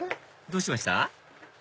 どうしました？